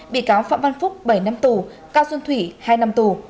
bị cáo phạm văn phúc bảy năm tù cao xuân thủy hai năm tù